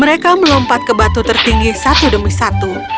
mereka melompat ke batu tertinggi satu demi satu